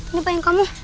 ini apa yang kamu